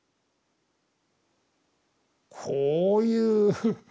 こういう。